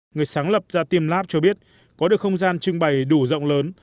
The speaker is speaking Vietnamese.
người sáng lập gia tiêm lab cho biết có được không gian trưng bày đủ rộng lớn